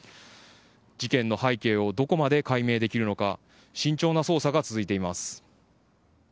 事件の背景をどこまで解明できるのか慎重な捜査が続いています。